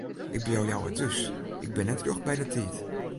Ik bliuw leaver thús, ik bin net rjocht by de tiid.